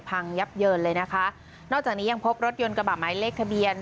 พังยับเยินเลยนะคะนอกจากนี้ยังพบรถยนต์กระบะหมายเลขทะเบียน